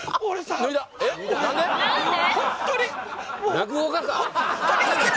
落語家か？